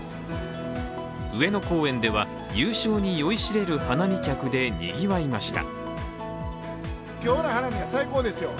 上野公園では、優勝に酔いしれる花見客でにぎわいました。